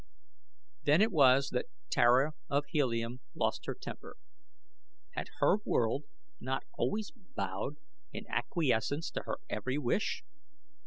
Then it was that Tara of Helium lost her temper. Had her world not always bowed in acquiescence to her every wish?